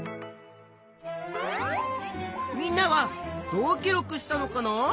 みんなはどう記録したのかな？